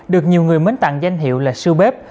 được nhiều người mến tặng danh hiệu là su bếp